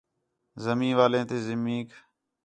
زمین والیں زمینک